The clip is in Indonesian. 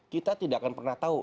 kita tidak akan pernah tahu